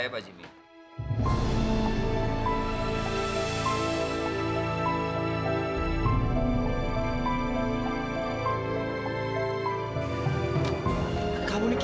ya allah maaf pak